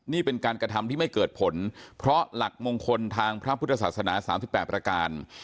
นี่เป็นการกระทำที่ไม่เกิดผลเพราะหลักมงคลทางพระพุทธศาสนา๓๘ประการ